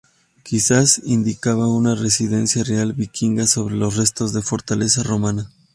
Quizás indicaba una residencia real vikinga sobre los restos de la fortaleza romana.